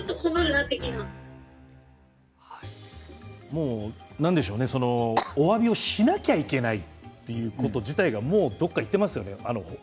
もう、なんでしょうねおわびをしないといけないということ自体がもうどこかにいっていますよね。